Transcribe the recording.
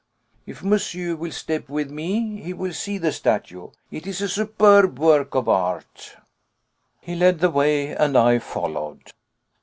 If monsieur will step with me he will see the statue; it is a superb work of art." He led the way, and I followed.